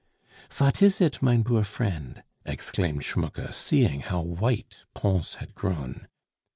"Vat is it, mine boor friend?" exclaimed Schmucke, seeing how white Pons had grown.